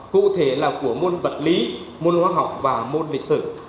cụ thể là của môn vật lý môn hóa học và môn lịch sử